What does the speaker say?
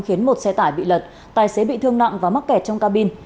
khiến một xe tải bị lật tài xế bị thương nặng và mắc kẹt trong cabin